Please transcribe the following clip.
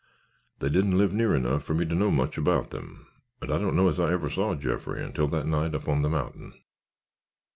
They didn't live near enough for me to know much about them and I don't know as I ever saw Jeffrey until that night up on the mountain.